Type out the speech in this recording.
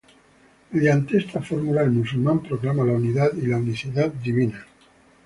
Mediante esta fórmula, el musulmán proclama la unidad y la unicidad divinas.